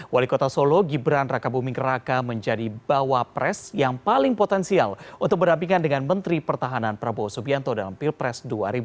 wali kota solo gibran raka buming raka menjadi bawa pres yang paling potensial untuk berdampingan dengan menteri pertahanan prabowo subianto dalam pilpres dua ribu sembilan belas